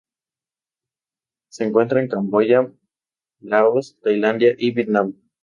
Se encuentra en Camboya, Laos, Tailandia, y Vietnam.